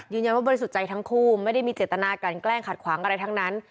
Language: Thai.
อย่างนั้นว่าบริษัทใจทั้งคู่ไม่ได้มีเจตนาการแกล้งขัดขวางอะไรทั้งนั้น